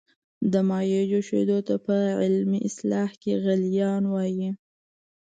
د مایع جوشیدو ته په علمي اصطلاح کې غلیان وايي.